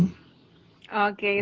oke semuanya jadi